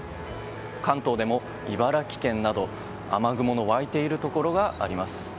関東でも茨城県など、雨雲の湧いているところがあります。